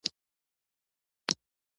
د شنو خونو جوړول د چاپېریال ګټه هم لري.